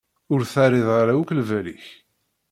Ur terriḍ ara akk lbal-ik.